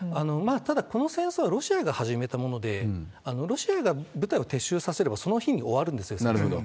ただ、この戦争はロシアが始めたもので、ロシアが舞台を撤収させれば、その日の終わるんですよ、そもそも。